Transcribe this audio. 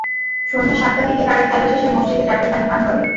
সন্ধ্যা সাতটার দিকে তারা খেলা শেষে মসজিদের ট্যাপের পানি পান করে।